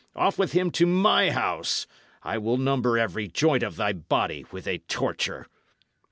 Off with him to my house. I will number every joint of thy body with a torture."